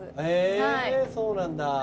へそうなんだ。